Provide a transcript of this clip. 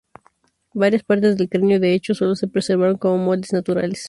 Varias partes del cráneo de hecho solo se preservaron como moldes naturales.